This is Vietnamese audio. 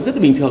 rất bình thường